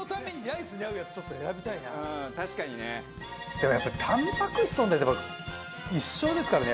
でもやっぱりタンパク質一生ですからね